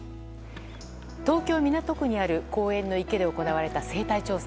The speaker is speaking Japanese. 東京・港区にある公園の池で行われた生態調査。